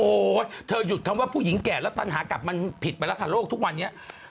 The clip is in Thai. เธอหยุดคำว่าผู้หญิงแก่แล้วปัญหากลับมันผิดไปแล้วค่ะโลกทุกวันนี้